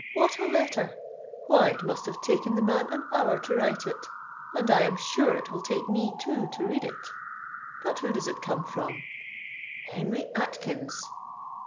what a letter. Why, it must have taken the man an hour to write it; and I am sure it will take me two to read it. But who does it come from? _Henry Atkins!